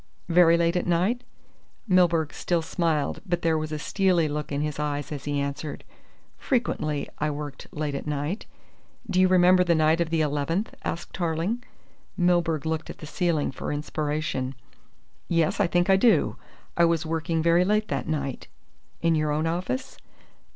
"Very late at night?" Milburgh still smiled, but there was a steely look in his eye as he answered: "Frequently I worked late at night." "Do you remember the night of the eleventh?" asked Tarling. Milburgh looked at the ceiling for inspiration. "Yes, I think I do. I was working very late that night." "In your own office?"